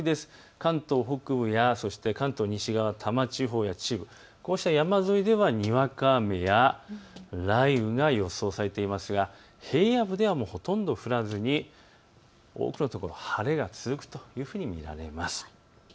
関東北部や関東西側、多摩地方の一部、こうした山沿いではにわか雨や雷雨が予想されていますが平野部では、ほとんど降らずに多くの所、晴れが続くというふうに見られます。